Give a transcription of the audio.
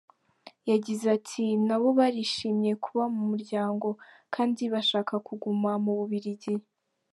Yagize ati "Nabo bari bishimiye kuba mu muryango, kandi bashakaga kuguma mu Bubiligi.